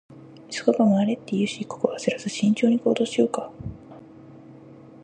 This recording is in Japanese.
「急がば回れ」って言うし、ここは焦らず慎重に行動しようか。